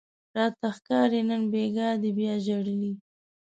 راته ښکاري نن بیګاه دې بیا ژړلي